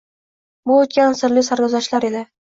Bu o‘tgan sirli sarguzashtlar edi.